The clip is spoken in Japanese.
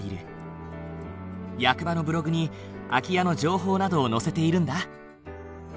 役場のブログに空き家の情報などを載せているんだ。